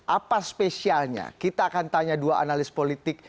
apa spesialnya kita akan tanya dua analis politik